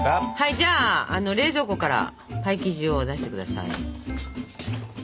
じゃあ冷蔵庫からパイ生地を出して下さい。